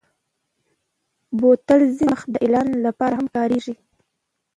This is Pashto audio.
بوتل ځینې وخت د اعلان لپاره هم کارېږي.